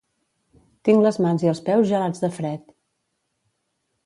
Tinc les mans i els peus gelats de fred